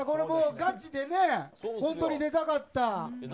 ガチで本当に出たかった。